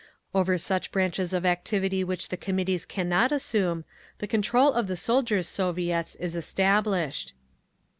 Over such branches of activity which the Committees cannot assume, the control of the Soldiers' Soviets is established.